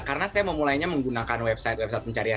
karena saya memulainya menggunakan website website pencarian